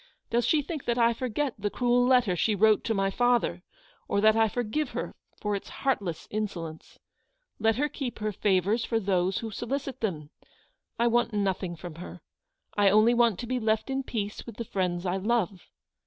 tc Does she think that I forget the cruel letter she wrote to my father; or that I forgive her for its heartless insolence ? Let her keep her favours for those who solicit them. I want nothing from her. I only want to be left in peace with the friends I love.